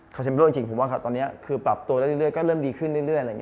เขาจะไม่รู้จริงผมว่าตอนนี้คือปรับตัวเรื่อยก็เริ่มดีขึ้นเรื่อย